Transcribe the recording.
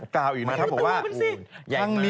กล่าวอีกนะครับพูดสูมันสิ